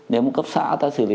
nếu một cấp xã ta xử lý